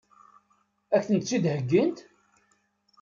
Ad kent-tt-id-heggint?